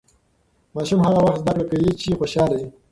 ماشوم هغه وخت زده کړه کوي چې خوشاله وي.